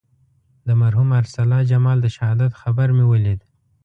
د مرحوم ارسلا جمال د شهادت خبر مې ولید.